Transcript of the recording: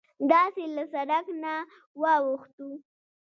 داسې له سرک نه واوښتوو.